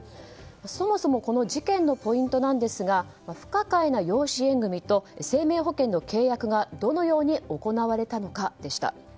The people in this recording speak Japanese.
そもそもこの事件のポイントですが不可解な養子縁組と生命保険の契約がどのように行われたのかでした。